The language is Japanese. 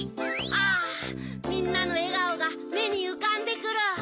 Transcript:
あぁみんなのえがおがめにうかんでくる。